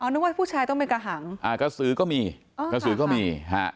นึกว่าผู้ชายต้องเป็นกระหังกระสือก็มี